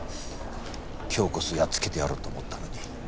今日こそやっつけてやろうと思ったのに。